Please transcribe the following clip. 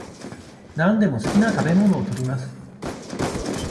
何でも好きな食べ物を取ります。